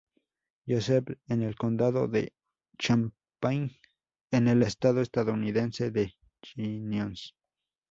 Joseph en el condado de Champaign, en el estado estadounidense de Illinois.